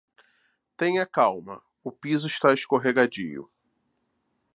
Tenha calma, o piso está escorregadio